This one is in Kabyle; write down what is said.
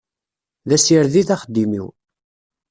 D asired i d axeddim-w.